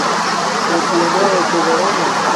تے پیامیا چھے گھرانا